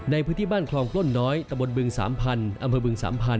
ในพื้นที่บ้านคลองปล้นน้อยตะบนบึง๓๐๐อำเภอบึง๓๐๐